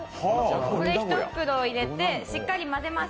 これを１袋入れてしっかり混ぜます。